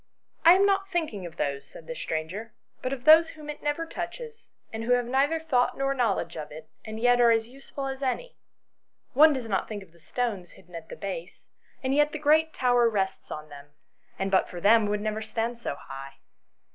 "I am not thinking of those," said the stranger, " but of those whom it never touches, and who have neither thought nor knowledge of it, and yet are as useful as any. One does not think of the stones hidden at the base, and yet the great tower rests on them, and but for them would never stand so high."